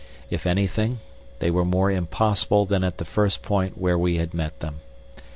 If anything, they were more impossible than at the first point where we had met them.